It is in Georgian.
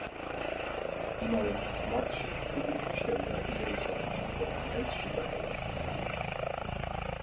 იმავე წლის მარტში ფრიდრიხი შევიდა იერუსალიმში, ხოლო მაისში დატოვა წმინდა მიწა.